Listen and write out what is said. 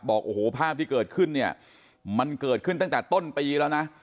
บอกว่าผ้าดยนต์ที่เกิดขึ้นมันเกิดขึ้นตั้งแต่ต้นปีแล้วนะ